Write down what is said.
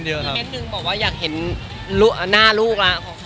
บอกว่าอยากเห็นหน้าลูก